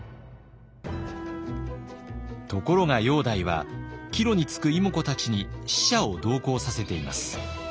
ところが煬帝は帰路につく妹子たちに使者を同行させています。